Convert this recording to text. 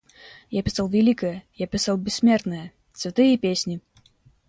Я писал великое, я писал бессмертное — цветы и песни.